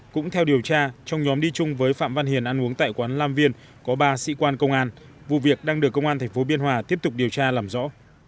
cũng theo điều tra trong nhóm đi chung với phạm văn hiền ăn uống tại quán lam viên có ba sĩ quan công an vụ việc đang được công an tp biên hòa tiếp tục điều tra làm rõ